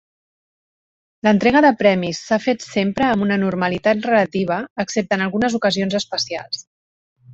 L'entrega de premis s'ha fet sempre amb una normalitat relativa, excepte en algunes ocasions especials.